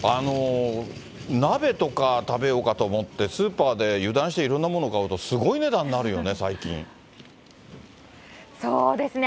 鍋とか食べようかと思って、スーパーで油断していろんなものを買うとすごい値段になるよね、そうですね。